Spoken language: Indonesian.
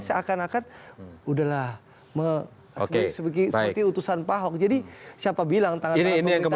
seakan akan udahlah seperti utusan pak ahok jadi siapa bilang tangan tangan pemerintah